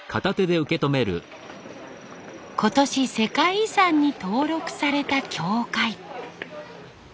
今年世界遺産に登録された教会。